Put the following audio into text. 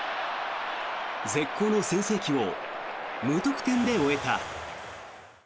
絶好の先制機を無得点で終えた。